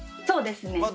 そうですね。